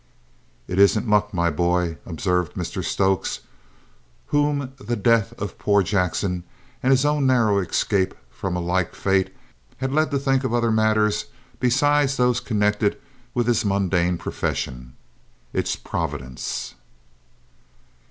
"It isn't luck, my boy," observed Mr Stokes, whom the death of poor Jackson and his own narrow escape from a like fate had led to think of other matters besides those connected with his mundane profession. "It's Providence!"